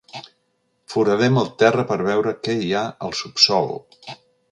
Foradem el terra per veure què hi ha al subsòl.